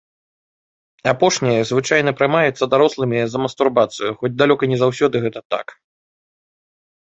Апошняе звычайна прымаецца дарослымі за мастурбацыю, хоць далёка не заўсёды гэта такі.